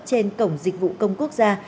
trên cổng dịch vụ công quốc gia